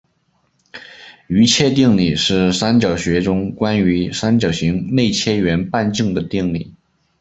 余切定理是三角学中关于三角形内切圆半径的定理。